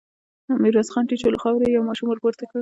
ميرويس خان ټيټ شو، له خاورو يې يو ماشوم ور پورته کړ.